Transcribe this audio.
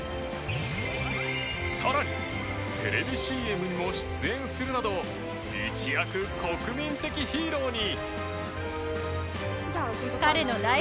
さらにテレビＣＭにも出演するなど一躍国民的ヒーローに。